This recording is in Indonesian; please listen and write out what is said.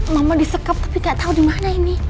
mama disekap tapi gak tau dimana ini